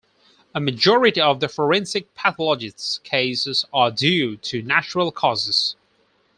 A majority of the forensic pathologists cases are due to natural causes.